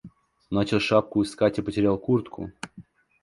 Начал шапку искать и потерял куртку.